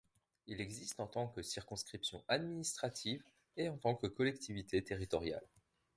Il existe en tant que circonscriptions administratives et en tant que collectivités territoriales.